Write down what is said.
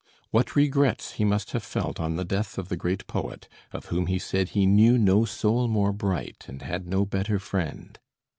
What regrets he must have felt on the death of the great poet, of whom he said he "knew no soul more bright, and had no better friend"!